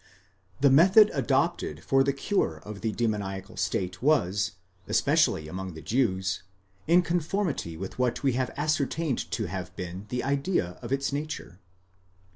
*+ The method adopted for the cure of the demoniacal state was, especially among the Jews, in conformity with what we have ascertained to have been the idea of its nature.